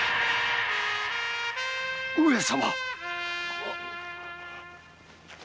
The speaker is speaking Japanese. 上様。